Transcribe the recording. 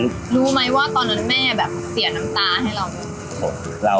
รู้ไหมว่าตอนนั้นแม่แบบเสียน้ำตาให้เราไหม